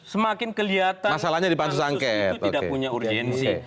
semakin kelihatan pansus itu tidak punya urgensi